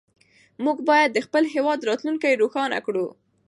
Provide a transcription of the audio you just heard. موږ باید د خپل هېواد راتلونکې روښانه کړو.